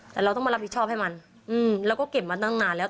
แต่เราต้องมารับผิดชอบให้มันเราก็เก็บมาตั้งนานแล้ว